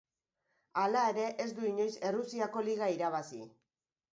Hala ere ez du inoiz Errusiako Liga irabazi.